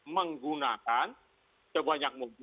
menggunakan sebanyak mungkin